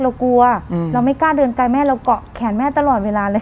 เรากลัวเราไม่กล้าเดินไกลแม่เราเกาะแขนแม่ตลอดเวลาเลย